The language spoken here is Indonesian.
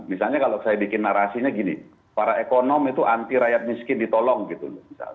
misalnya kalau saya bikin narasinya gini para ekonom itu anti rakyat miskin ditolong gitu